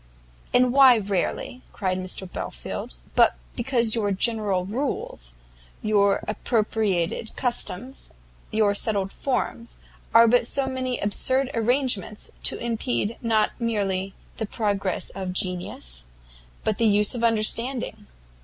"And why rarely," cried Belfield, "but because your general rules, your appropriated customs, your settled forms, are but so many absurd arrangements to impede not merely the progress of genius, but the use of understanding?